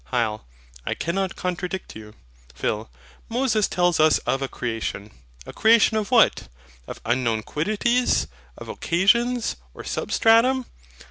HYL. I cannot contradict you. PHIL. Moses tells us of a creation. A creation of what? of unknown quiddities, of occasions, or SUBSTRATUM?